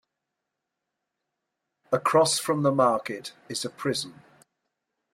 Across from the market is a prison.